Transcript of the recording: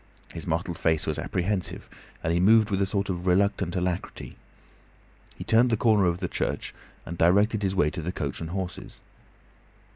His mottled face was apprehensive, and he moved with a sort of reluctant alacrity. He turned the corner of the church, and directed his way to the "Coach and Horses."